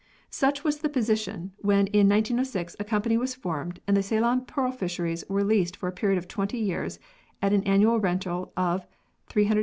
Such was the position, when in 1906 a company was formed and the Ceylon pearl fisheries were leased for a period of 20 years at an annual rental of Rs.